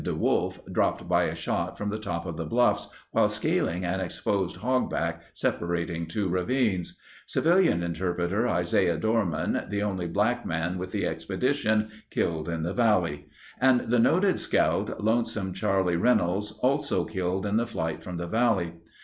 DeWolf, dropped by a shot from 56 the top of the bluffs while scaling an exposed hogback separating two ravines; civilian interpreter Isaiah Dorman, the only black man with the expedi tion, killed in the valley; and the noted scout "Lone some" Charley Reynolds, also killed in the flight from the valley.